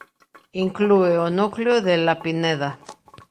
Inclúe o núcleo de La Pineda.